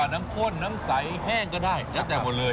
น้ำข้นน้ำใสแห้งก็ได้แล้วแต่หมดเลย